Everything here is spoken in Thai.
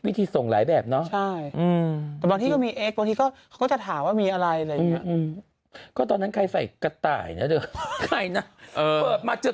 วิธีส่งหลายแบบเนอะจะถามว่ามีอะไรก็ตอนนั้นใครใส่กระต่ายนะได้ไงนะมาเจอ